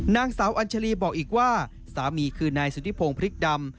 นางสาวอัญชาลีบอกอีกว่าสามีคือนายสุธิพงศ์พริกดำ